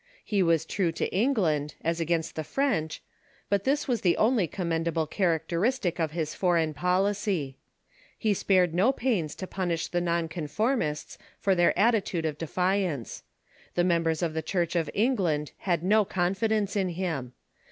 He was true to England, as against the French, but this was the only commendable char acteristic of his foreign policy. He spared no pains to punish the non conformists for their attitude of defiance. The mem bers of the Church of England had no confidence in him.